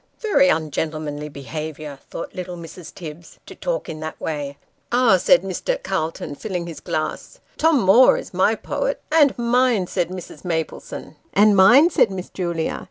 <; Very ungentlemanly behaviour," thought little Mrs. Tibbs, " to talk in that way." " Ah," said Mr. Calton, filling his glass. " Tom Moore is my poet." " And mine," said Mrs. Maplesone. " And mine," said Miss Julia.